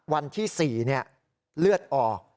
วันที่๔เลือดออก